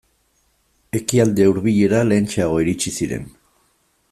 Ekialde Hurbilera lehentxeago iritsi ziren.